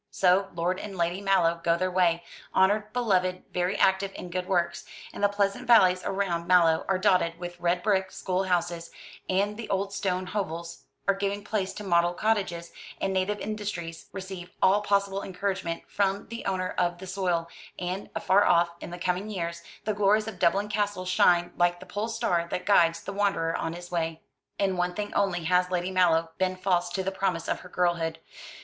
So Lord and Lady Mallow go their way honoured, beloved, very active in good works and the pleasant valleys around Mallow are dotted with red brick school houses, and the old stone hovels are giving place to model cottages, and native industries receive all possible encouragement from the owner of the soil; and, afar off, in the coming years, the glories of Dublin Castle shine like the Pole Star that guides the wanderer on his way. In one thing only has Lady Mallow been false to the promise of her girlhood.